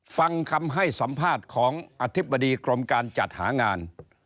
ฟังคำให้สัมภาษณ์ของอธิบดีกรมการจัดหางาน